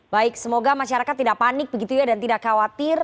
baik semoga masyarakat tidak panik begitu ya dan tidak khawatir